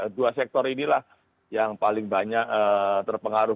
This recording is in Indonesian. dua sektor inilah yang paling banyak terpengaruh